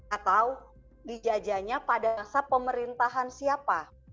atau dijajahnya pada masa pemerintahan siapa